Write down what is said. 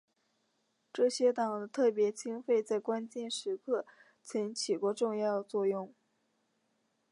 这些党的特别经费在关键时刻曾起过重要作用。